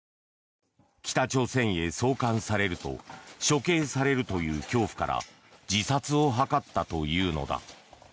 北朝鮮へ送還されると処刑されるという恐怖から自殺を図ったというのだ。